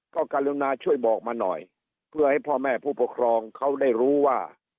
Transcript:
ก็กรุณาช่วยบอกมาหน่อยเพื่อให้พ่อแม่ผู้ปกครองเขาได้รู้ว่า